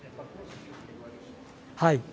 はい。